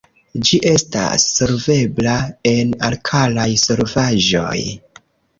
Ĝi estas solvebla en alkalaj solvaĵoj.